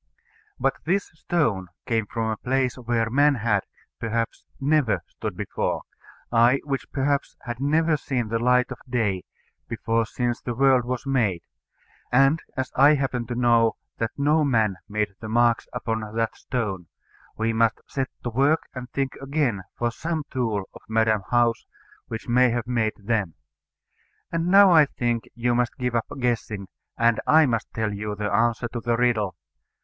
But this stone came from a place where man had, perhaps, never stood before, ay, which, perhaps, had never seen the light of day before since the world was made; and as I happen to know that no man made the marks upon that stone, we must set to work and think again for some tool of Madam How's which may have made them. And now I think you must give up guessing, and I must tell you the answer to the riddle.